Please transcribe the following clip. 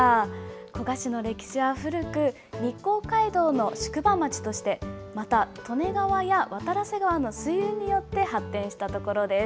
古河市の歴史は古く、日光街道の宿場町として、また、利根川や渡良瀬川の水運によって発展した所です。